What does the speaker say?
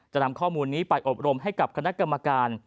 นำข้อมูลนี้ไปอบรมให้กับคณะกรรมการ